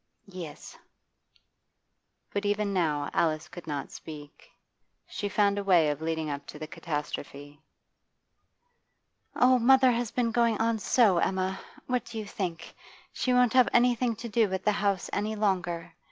'Yes.' But even now Alice could not speak. She found a way of leading up to the catastrophe. 'Oh, mother has been going on so, Emma! What do you think? She won't have anything to do with the house any longer.